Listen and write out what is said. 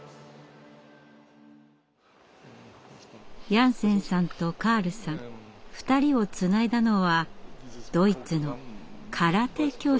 ヤンセンさんとカールさん２人をつないだのはドイツの「空手教室」でした。